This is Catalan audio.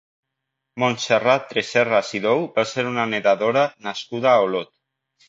Montserrat Tresserras i Dou va ser una nedadora nascuda a Olot.